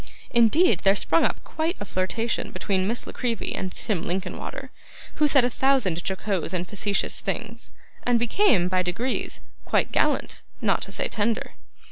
Indeed, there sprung up quite a flirtation between Miss La Creevy and Tim Linkinwater, who said a thousand jocose and facetious things, and became, by degrees, quite gallant, not to say tender.